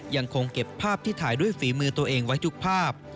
ยังคงเก็บภาพที่ถ่ายด้วยฝีมือตัวเองไว้ทุกภาพ